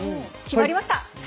決まりました。